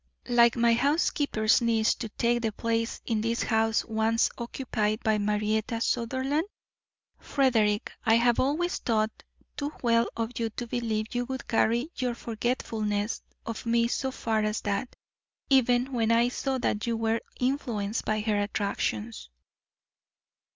"Like my housekeeper's niece to take the place in this house once occupied by Marietta Sutherland? Frederick, I have always thought too well of you to believe you would carry your forgetfulness of me so far as that, even when I saw that you were influenced by her attractions."